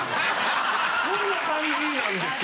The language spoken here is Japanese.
そんな感じなんですよ。